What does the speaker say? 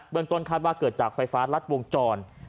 เมืองต้นคาดว่าเกิดจากไฟฟ้ารัดวงจร